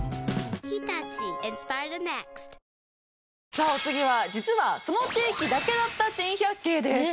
さあお次は実はその地域だけだった珍百景です。